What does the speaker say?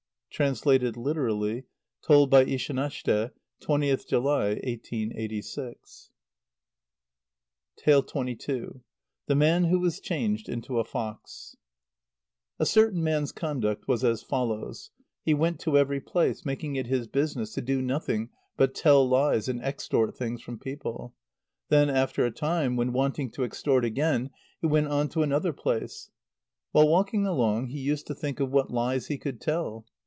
(Translated literally. Told by Ishanashte, 20th July, 1886.) xxii. The Man who was changed into a Fox. A certain man's conduct was as follows: he went to every place, making it his business to do nothing but tell lies and extort things from people. Then, after a time, when wanting to extort again, he went on to another place. While walking along he used to think of what lies he could tell.